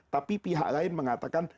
tapi pihak lain mengatakan